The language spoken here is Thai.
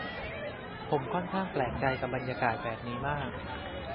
ผมค่อนข้างแปลงใจกับบรรยากาศแบบนี้มาก